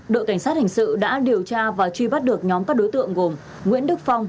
đội cảnh sát hình sự đã điều tra và truy bắt được nhóm các đối tượng gồm nguyễn đức phong